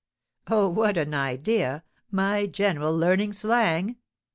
"Oh, what an idea! my general learning slang!"